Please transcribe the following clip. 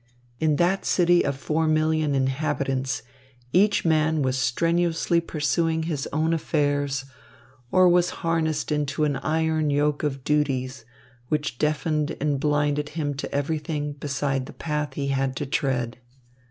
In that city of four million inhabitants, each man was strenuously pursuing his own affairs, or was harnessed into an iron yoke of duties, which deafened and blinded him to everything beside the path he had to tread.